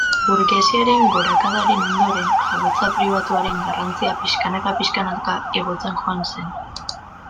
Burgesiaren gorakadaren ondoren, jabetza pribatuaren garrantzia pixkanaka-pixkanaka igotzen joan zen.